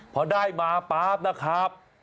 พอได้มาป๊าบนะครับ